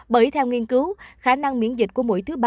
bởi theo nghiên cứu khả năng miễn dịch của mũi thứ ba